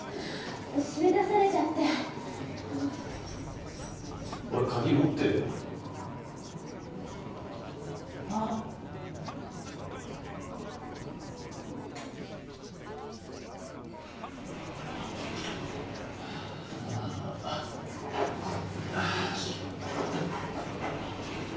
閉め出されちゃって俺鍵持ってるよあっあっ